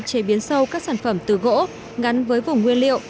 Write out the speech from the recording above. chế biến sâu các sản phẩm từ gỗ ngắn với vùng nguyên liệu